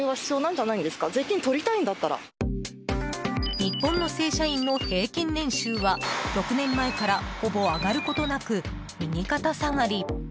日本の正社員の平均年収は６年前からほぼ上がることなく右肩下がり。